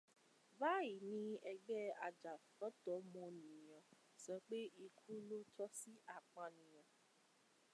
Báyìí ni ẹgbẹ́ ajàfẹ́tọmọnìyàn sọ pé ikú ló tọ́ sí apanìyàn.